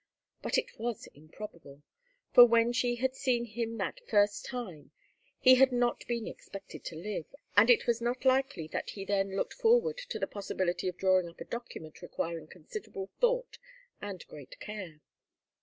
But it was improbable; for when she had seen him that first time, he had not been expected to live, and it was not likely that he then looked forward to the possibility of drawing up a document requiring considerable thought and great care.